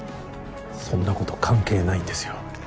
そんなこと関係ないんですよ